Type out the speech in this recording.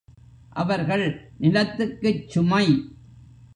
அவர்கள் நிலத்துக்குச் சுமை.